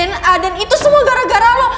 dia mau tes dna dan itu semua gara gara lu